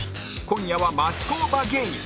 今夜は町工場芸人